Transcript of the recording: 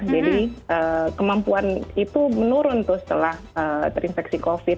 jadi kemampuan itu menurun tuh setelah terinfeksi covid